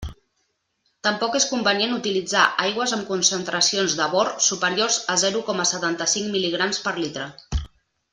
Tampoc és convenient utilitzar aigües amb concentracions de bor superiors a zero coma setanta-cinc mil·ligrams per litre.